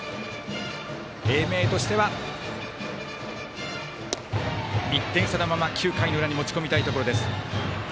英明としては、１点差のまま９回の裏に持ち込みたいところです。